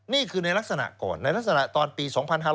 นี่คือในลักษณะก่อนในลักษณะตอนปี๒๕๕๙